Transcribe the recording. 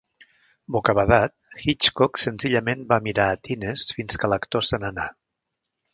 Bocabadat, Hitchcock senzillament va mirar a Thinnes fins que l'actor se n'anà.